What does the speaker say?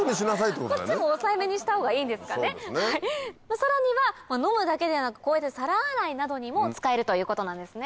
さらには飲むだけでなくこういった皿洗いなどにも使えるということなんですね。